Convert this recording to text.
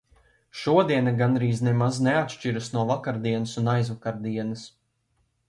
Šodiena gandrīz nemaz neatšķiras no vakardienas un aizvakardienas.